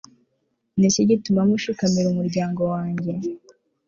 ni iki gituma mushikamira umuryango wanjye